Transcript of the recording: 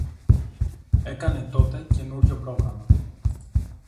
Έκανε τότε καινούριο πρόγραμμα